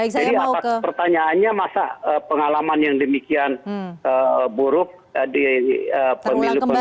jadi pertanyaannya masa pengalaman yang demikian buruk di pemilu pemilu sebelumnya